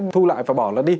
thu lại và bỏ nó đi